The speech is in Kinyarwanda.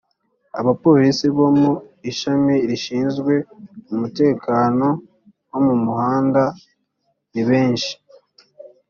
abapolisi bo mu ishami rishinzwe umutekano wo mu muhanda nibeshi.